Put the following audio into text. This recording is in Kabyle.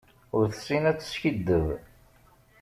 Ur tessin ad teskiddeb.